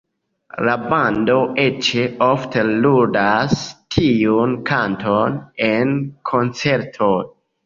La bando eĉ ofte ludas tiun kanton en koncertoj.